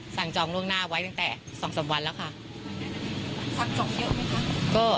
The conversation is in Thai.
จองล่วงหน้าไว้ตั้งแต่สองสามวันแล้วค่ะสั่งจองเยอะไหมคะ